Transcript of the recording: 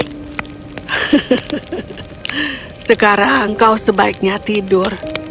hahaha sekarang kau sebaiknya tidur